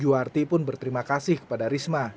juwarti pun berterima kasih kepada risma